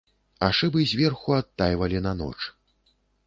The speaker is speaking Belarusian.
А шыбы зверху адтайвалі на ноч.